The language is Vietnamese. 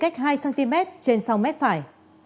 hai cm trên sau mét phải